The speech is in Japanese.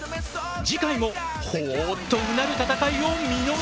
次回もほぉっとうなる戦いを見逃すな！